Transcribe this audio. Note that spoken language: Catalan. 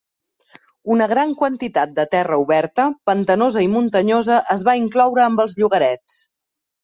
Una gran quantitat de terra oberta, pantanosa i muntanyosa es va incloure amb els llogarets.